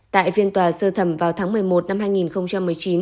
tại phiên tòa sơ thẩm vào tháng một mươi một năm hai nghìn một mươi chín